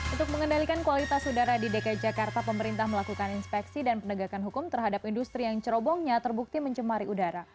untuk mengendalikan kualitas udara di dki jakarta pemerintah melakukan inspeksi dan penegakan hukum terhadap industri yang cerobongnya terbukti mencemari udara